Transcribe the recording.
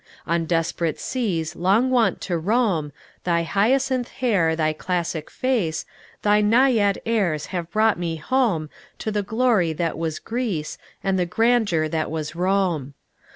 On desperate seas long wont to roam, Thy hyacinth hair, thy classic face, Thy Naiad airs have brought me home To the glory that was Greece And the grandeur that was Rome.